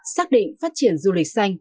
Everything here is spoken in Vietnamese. xác định phát triển du lịch xanh